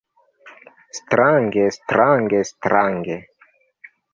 Strange, strange, strange.